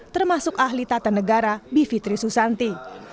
termasuk ahli tata negara bivitri susanti